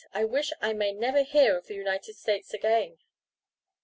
I wish I may never hear of the United States again!"